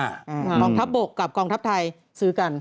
ฮทรัพย์บกกับกองทัพไทยซื้อกัน